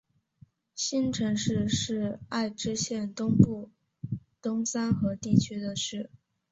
新城市是爱知县东部东三河地区的市。